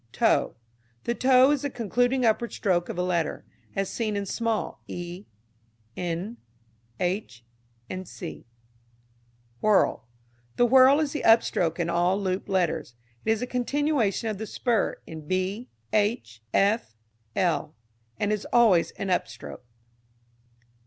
Toe. The toe is the concluding upward stroke of a letter, as seen in small e, n, h, &c. Whirl. The whirl is the upstroke in all looped letters. It is a continuation of the spur in b, h, f, l, and is always an upstroke.